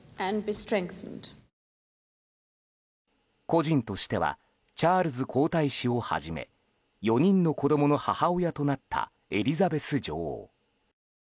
個人としてはチャールズ皇太子をはじめ４人の子供の母親となったエリザベス女王。